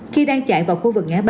khi đang chạy vào khu vực ngã ba